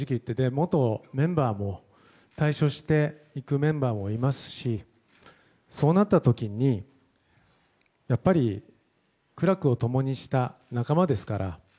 元メンバーで退所していくメンバーもいますしそうなった時に、やっぱり苦楽を共にした仲間ですから。